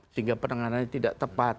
sehingga penanganannya tidak tepat